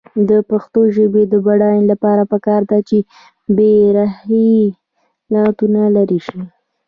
د پښتو ژبې د بډاینې لپاره پکار ده چې بېریښې لغتونه لرې شي.